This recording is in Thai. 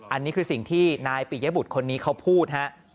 อันนี้คือสิ่งที่นายปิยบุตรคนนี้เขาพูดฮะ